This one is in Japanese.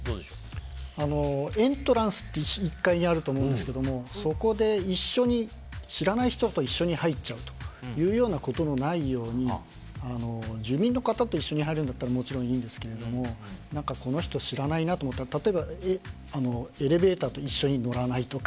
エントランスって１階にあると思うんですけれどもそこで知らない人と一緒に入っちゃうようなことがないように住民の方と一緒に入るんだったらいいんですけどこの人知らないなって思ったらエレベーターに一緒に乗らないとか。